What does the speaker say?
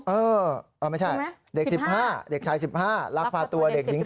เออไม่ใช่เด็ก๑๕เด็กชาย๑๕ลักพาตัวเด็กหญิง